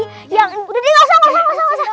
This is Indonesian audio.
udah deh nggak usah nggak usah